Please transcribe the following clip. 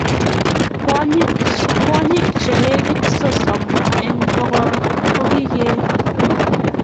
Kwonyik che lekit sosom eng pokol kokiketun